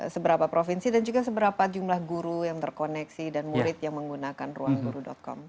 seberapa provinsi dan juga seberapa jumlah guru yang terkoneksi dan murid yang menggunakan ruangguru com